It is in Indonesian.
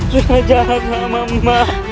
sudah jalan sama emak